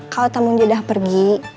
kalau tamu jodoh pergi